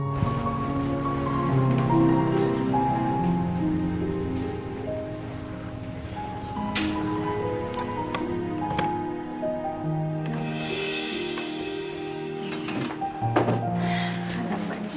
tuh aku terasa benar benar leuk